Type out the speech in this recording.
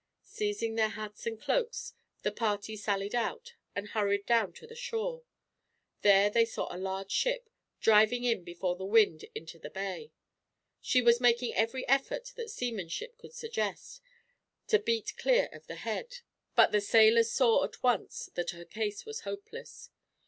Seizing their hats and cloaks, the party sallied out, and hurried down to the shore. There they saw a large ship, driving in before the wind into the bay. She was making every effort that seamanship could suggest, to beat clear of the head; but the sailors saw, at once, that her case was hopeless.